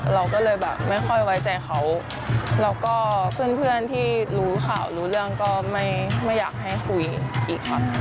เราก็เลยแบบไม่ค่อยไว้ใจเขาแล้วก็เพื่อนที่รู้ข่าวรู้เรื่องก็ไม่อยากให้คุยอีกค่ะ